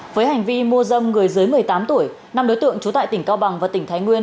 với hành vi mua dâm người dưới một mươi tám tuổi năm đối tượng trú tại tỉnh cao bằng và tỉnh thái nguyên